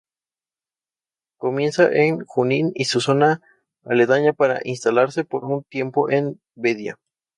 Comienza en Junín y su zona aledaña para instalarse por un tiempo en Vedia.